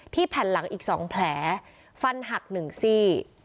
ที่แผ่นหลังอีกสองแผลฟันหักหนึ่งสี่